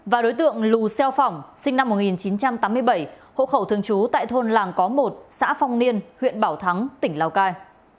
và đối tượng lù xeo phỏng sinh năm một nghìn chín trăm tám mươi bảy hộ khẩu thường trú tại thôn làng có một xã phong niên huyện bảo thắng tỉnh lào cai